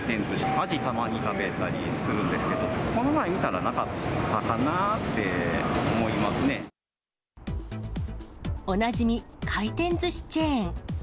アジ、たまに食べたりするんですけど、この前見たら、おなじみ、回転ずしチェーン。